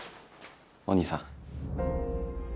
お兄さん。